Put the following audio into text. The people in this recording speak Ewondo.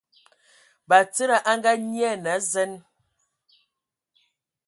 Batsidi a Ngaanyian a zen.